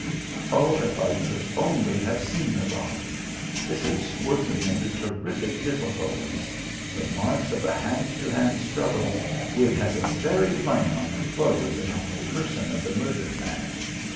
Oh, if I could only have seen the body! This is working under terrific difficulties. The marks of a hand to hand struggle would have been very plain on the clothes and on the person of the murdered man.